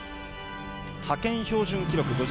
派遣標準記録